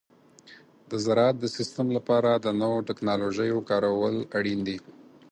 د زراعت د سیستم لپاره د نوو تکنالوژیو کارول اړین دي.